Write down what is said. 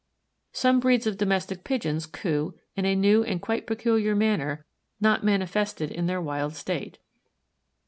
Some breeds of domestic Pigeons coo in a new and quite peculiar manner not manifested in their wild state.